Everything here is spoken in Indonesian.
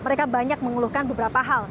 mereka banyak mengeluhkan beberapa hal